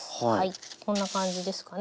こんな感じですかね。